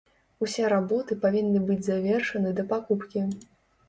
Усе работы павінны быць завершаны да пакупкі.